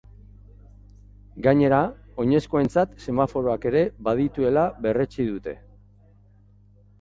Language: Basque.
Gainera, oinezkoentzat semaforoak ere badituela berretsi dute.